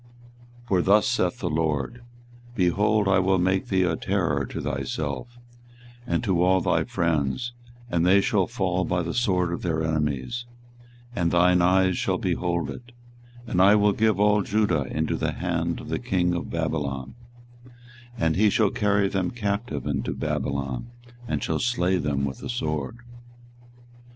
24:020:004 For thus saith the LORD, Behold, I will make thee a terror to thyself, and to all thy friends: and they shall fall by the sword of their enemies, and thine eyes shall behold it: and I will give all Judah into the hand of the king of Babylon, and he shall carry them captive into Babylon, and shall slay them with the sword.